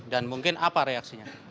dan mungkin apa reaksinya